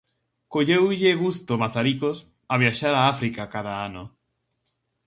Colleulle gusto Mazaricos a viaxar a África cada ano.